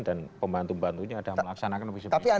dan pembantu pembantunya ada melaksanakan visi presiden